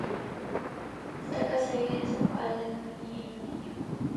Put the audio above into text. Está casado y es padre de una niña y un niño.